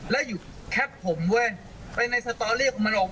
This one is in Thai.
แล้วอยู่แคปผมเว้ยไปในสตอรี่ของมันออก